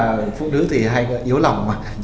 tức là phụ nữ thì hay yếu lòng mà